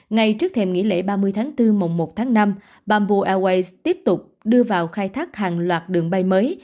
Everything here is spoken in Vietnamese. ngay trước thềm nghỉ lễ ba mươi tháng bốn mùa một tháng năm bamboo airways tiếp tục đưa vào khai thác hàng loạt đường bay mới